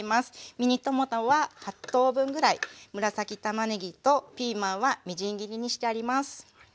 ミニトマトは８等分ぐらい紫たまねぎとピーマンはみじん切りにしてあります。